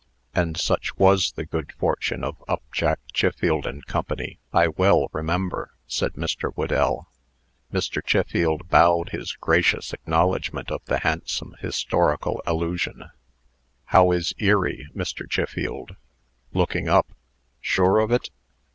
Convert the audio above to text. "And such was the good fortune of Upjack, Chiffield & Co., I well remember," said Mr. Whedell. Mr. Chiffield bowed his gracious acknowledgment of the handsome historical allusion. "How is Erie, Mr. Chiffield?" "Looking up." "Sure of it?"